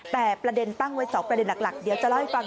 แต่ประเด็นตั้งไว้๒ประเด็นหลักเดี๋ยวจะเล่าให้ฟัง